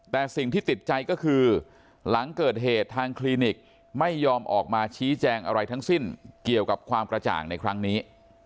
แต่สิ่งที่ติดใจก็คือหลังเกิดเหตุทางคลินิกไม่ยอมออกมาชี้แจงอะไรทั้งสิ้นเกี่ยวกับความกระจ่างในครั้งนี้